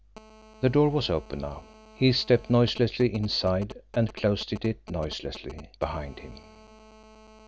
The door was open now. He stepped noiselessly inside, and closed it noiselessly behind him.